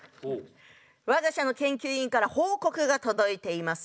我が社の研究員から報告が届いています。